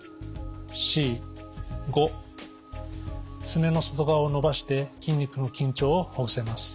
すねの外側を伸ばして筋肉の緊張をほぐせます。